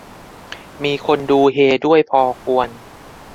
มีคนดูเฮด้วยพอควร